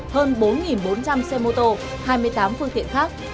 hơn bốn bốn trăm linh xe mô tô hai mươi tám phương tiện khác